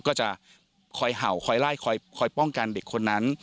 ก็จะคอยเห่าคอยไล่คอยป้องกันเด็กคนนั้น